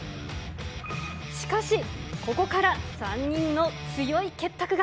しかし、ここから３人の強い結託が。